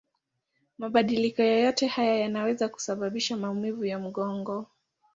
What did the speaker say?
Mabadiliko yoyote haya yanaweza kusababisha maumivu ya mgongo.